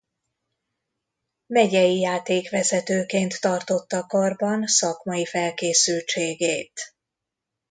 Megyei játékvezetőként tartotta karban szakmai felkészültségét.